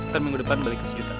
kan minggu depan balik ke sejuta